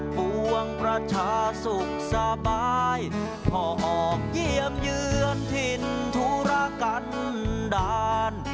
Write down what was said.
ปวงประชาสุขสบายพอออกเยี่ยมเยือนถิ่นธุระกันด่าน